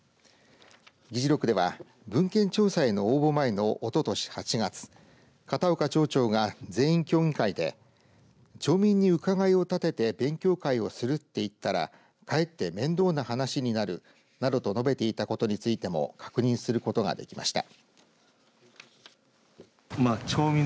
議事録では文献調査への応募前のおととし８月片岡町長が全員協議会で町民に伺いを立てて勉強会をするっていったらかえって面倒な話になるなどと述べていたことについても確認することができました。